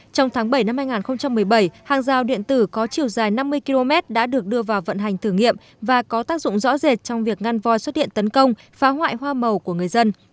trong tháng bảy năm hai nghìn một mươi bảy hàng rào điện tử có chiều dài năm mươi km đã được đưa vào vận hành thử nghiệm và có tác dụng rõ rệt trong việc ngăn voi xuất hiện tấn công phá hoại hoa màu của người dân